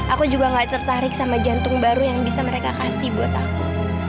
aku juga gak tertarik sama jantung baru yang bisa mereka kasih buat aku